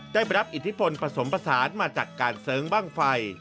ได้รับอิทธิพลผสมผสานมาจากการเสริงบ้างไฟ